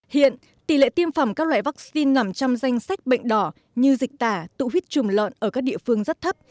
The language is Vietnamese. hiện tỷ lệ tiêm phòng các loại vaccine nằm trong danh sách bệnh đỏ như dịch tả tụ huyết trùng lợn ở các địa phương rất thấp